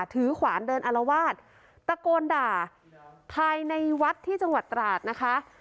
ขวานเดินอารวาสตะโกนด่าภายในวัดที่จังหวัดตราดนะคะ